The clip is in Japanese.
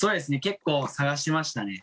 結構探しましたね。